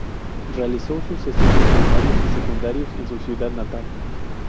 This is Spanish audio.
Realizó sus estudios primarios y secundarios en su ciudad natal.